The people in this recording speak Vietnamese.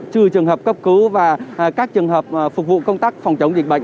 trừ trường hợp cấp cứu và các trường hợp phục vụ công tác phòng chống dịch bệnh